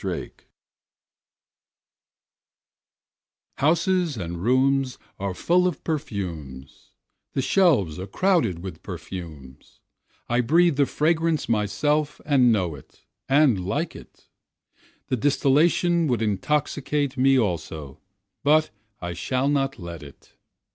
2 Houses and rooms are full of perfumes, the shelves are crowded with perfumes, I breathe the fragrance myself and know it and like it, The distillation would intoxicate me also, but I shall not let it.